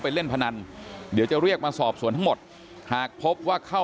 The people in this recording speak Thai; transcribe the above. เล่นพนันเดี๋ยวจะเรียกมาสอบสวนทั้งหมดหากพบว่าเข้า